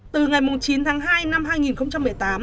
từ ngày chín tháng hai năm hai nghìn một mươi tám